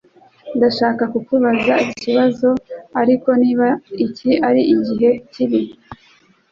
Ndashaka kukubaza ikibazo ariko niba iki ari igihe kibi